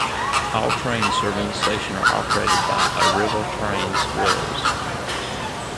All trains serving the station are operated by Arriva Trains Wales.